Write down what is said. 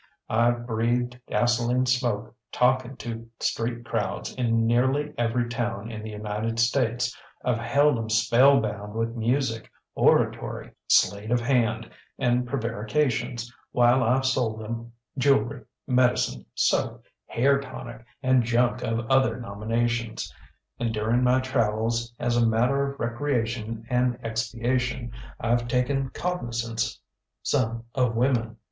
IŌĆÖve breathed gasoline smoke talking to street crowds in nearly every town in the United States. IŌĆÖve held ŌĆÖem spellbound with music, oratory, sleight of hand, and prevarications, while IŌĆÖve sold ŌĆÖem jewelry, medicine, soap, hair tonic, and junk of other nominations. And during my travels, as a matter of recreation and expiation, IŌĆÖve taken cognisance some of women.